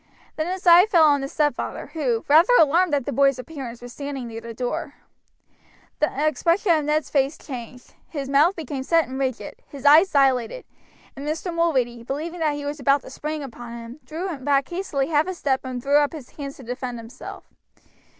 Then his eye fell on his stepfather, who, rather alarmed at the boy's appearance, was standing near the door. The expression of Ned's face changed, his mouth became set and rigid, his eyes dilated, and Mr. Mulready, believing that he was about to spring upon him, drew back hastily half a step and threw up his hands to defend himself.